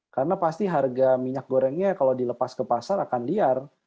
karena pasti harga minyak gorengnya kalau dilepas ke pasar akan liar